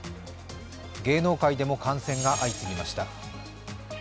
芸能界でも感染が相次ぎました。